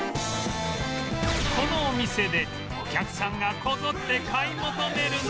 このお店でお客さんがこぞって買い求めるのが